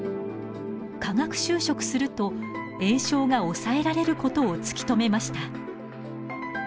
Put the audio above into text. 化学修飾すると炎症が抑えられることを突き止めました。